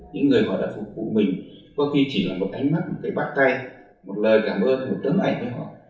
những người họ đã phục vụ mình có khi chỉ là một ánh mắt một cái bắt tay một lời cảm ơn một tấm ảnh cho họ